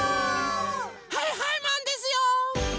はいはいマンですよ！